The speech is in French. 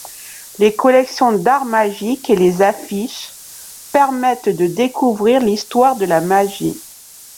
Les collections d’art magique et les affiches permettent de découvrir l’histoire de la magie.